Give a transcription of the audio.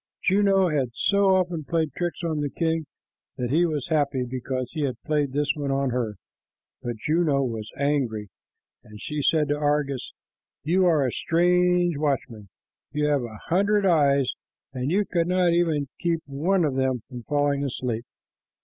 Juno had so often played tricks on the king that he was happy because he had played this one on her, but Juno was angry, and she said to Argus, "You are a strange watchman. You have a hundred eyes, and you could not keep even one of them from falling asleep.